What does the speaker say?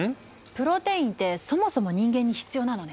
プロテインってそもそも人間に必要なのね。